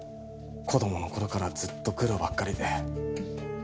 子供の頃からずっと苦労ばっかりで。